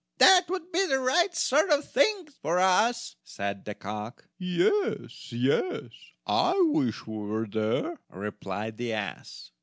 "That would be the right sort of thing for us," said the cock. "Yes, yes, I wish we were there," replied the ass.